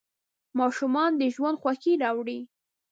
ماشومان د ژوند خوښي راوړي.